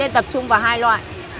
nên tập trung vào hai loại